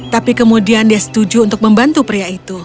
tapi kemudian dia setuju untuk membantu pria itu